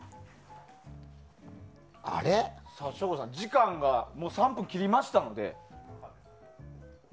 省吾さん、時間がもう３分を切りましたので。